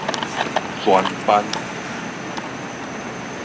全班